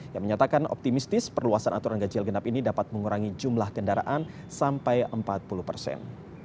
yang menyatakan optimistis perluasan aturan ganjil genap ini dapat mengurangi jumlah kendaraan sampai empat puluh persen